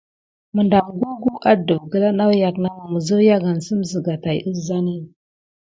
Məɗam gugu adəf gəla nawyak namə, məzawyagansəm zəga tay əzani.